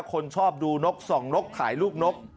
คนชอบดูนกส่องนกขายลูกนก